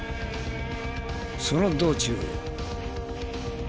その道中。